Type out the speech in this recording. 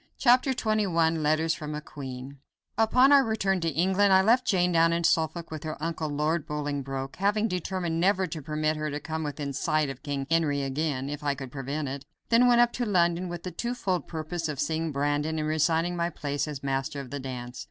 CHAPTER XXI Letters from a Queen Upon our return to England I left Jane down in Suffolk with her uncle, Lord Bolingbroke, having determined never to permit her to come within sight of King Henry again, if I could prevent it. I then went up to London with the twofold purpose of seeing Brandon and resigning my place as Master of the Dance.